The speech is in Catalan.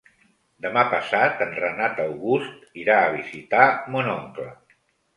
Demà passat en Renat August irà a visitar mon oncle.